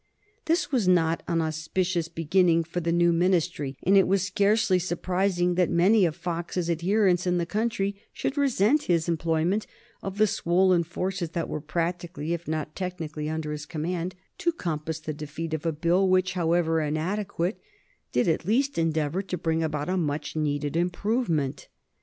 This was not an auspicious beginning for the new Ministry, and it was scarcely surprising that many of Fox's adherents in the country should resent his employment of the swollen forces that were practically if not technically under his command to compass the defeat of a bill which, however inadequate, did at least endeavor to bring about a much needed improvement.